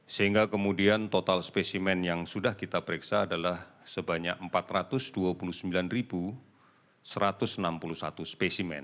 sehingga kemudian total spesimen yang sudah kita periksa adalah sebanyak empat ratus dua puluh sembilan satu ratus enam puluh satu spesimen